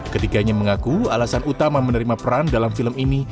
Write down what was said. ketiganya mengaku alasan utama menerima peran dalam film ini